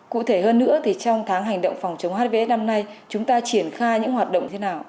cụ thể hơn nữa thì trong tháng hành động phòng chống hvf năm nay chúng ta triển khai những hoạt động thế nào